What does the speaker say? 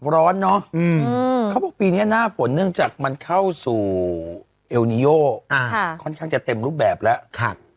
ร้อนเนอะเขาบอกปีนี้หน้าฝนเนื่องจากมันเข้าสู่เอลนิโยค่อนข้างจะเต็มรูปแบบแล้ว